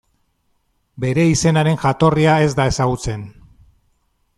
Bere izenaren jatorria, ez da ezagutzen.